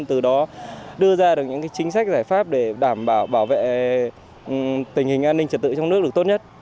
từ đó đưa ra được những chính sách giải pháp để đảm bảo bảo vệ tình hình an ninh trật tự trong nước được tốt nhất